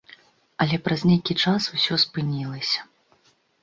Але праз нейкі час усё спынілася.